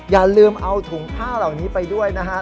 อย่าลืมเอาถุงผ้าเหล่านี้ไปด้วยนะครับ